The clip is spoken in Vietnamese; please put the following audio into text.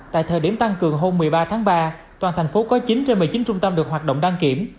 tại thời điểm tăng cường hôm một mươi ba tháng ba toàn thành phố có chín trên một mươi chín trung tâm được hoạt động đăng kiểm